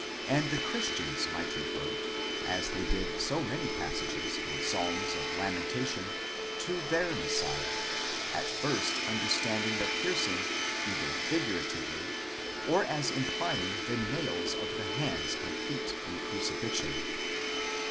° and the Christians might refer it, as they did so many pas sages in Psalms of lamentation, to their Messiah, at first understanding the piercing either figuratively or as implying the nailing of the hands (and feet) in crucifixion (comp.